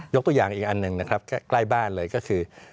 ยกตัวอย่างอีกอันนึงใกล้บ้านเลยก็คือ